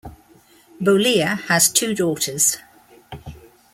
Bollea has two daughters.